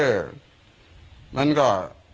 เอ่อมันก็